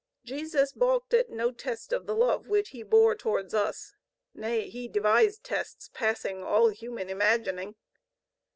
Jesus balked at no test of the love which He bore towards us: nay, He devised tests passing all human imagining.